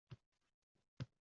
Qanchalik ko‘p sayohat qilsam